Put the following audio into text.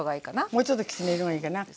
もうちょっときつね色がいいかな。